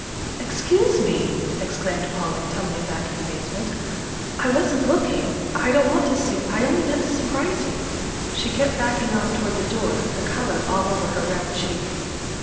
"Excuse me!" exclaimed Polly, tumbling back in amazement. "I wasn't looking. I don't want to see. I only meant to surprise you." She kept backing off toward the door, the colour all over her round cheek.